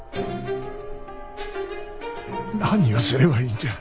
何をすればいいんじゃ。